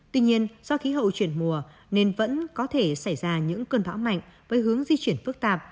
tuy nhiên do khí hậu chuyển mùa nên vẫn có thể xảy ra những cơn bão mạnh với hướng di chuyển phức tạp